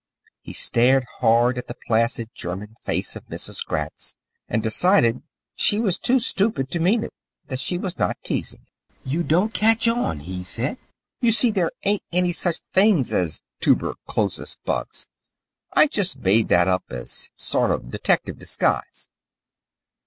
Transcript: He stared hard at the placid German face of Mrs. Gratz, and decided she was too stupid to mean it that she was not teasing him. "You don't catch on," he said. "You see, there ain't any such things as toober chlosis bugs. I just made that up as a sort of detective disguise.